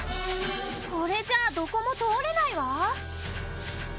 これじゃ、どこも通れないわ